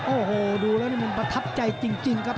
โอ้โหดูแล้วนี่มันประทับใจจริงครับ